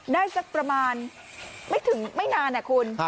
ได้สักประมาณไม่ถึงไม่นานนะคุณ